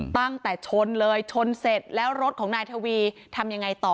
ตั้งแต่ชนเลยชนเสร็จแล้วรถของนายทวีทำยังไงต่อ